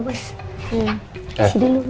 ya kasih dulu